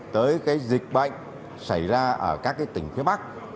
với cái dịch bệnh xảy ra ở các tỉnh phía bắc